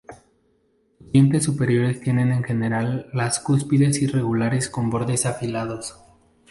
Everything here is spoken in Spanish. Sus dientes superiores tienen en general las cúspides irregulares con bordes afilados.